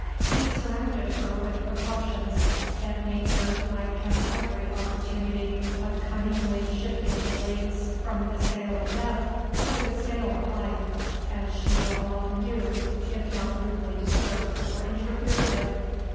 He surrounded her with precautions, that Nature might have every opportunity of cunningly shifting the weights from the scale of death to the scale of life, as she will often do if not rudely disturbed or interfered with.